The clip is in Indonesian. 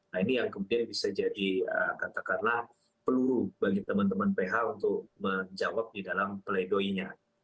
nah ini yang kemudian bisa jadi katakanlah peluru bagi teman teman ph untuk menjawab di dalam pledoinya